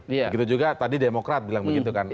begitu juga tadi demokrat bilang begitu kan